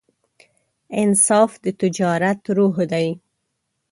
انصاف د تجارت روح دی.